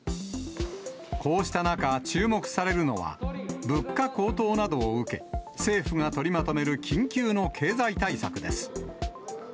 こうした中、注目されるのは、物価高騰などを受け、政府が取りまとめる緊急の経済対策です。